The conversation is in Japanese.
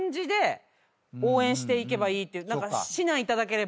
何か指南いただければ。